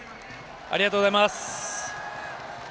ありがとうございます。